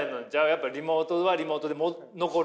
やっぱリモートはリモートで残るし。